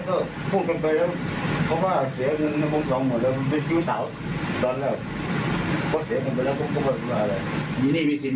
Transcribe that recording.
เขาว่าเสียเงิน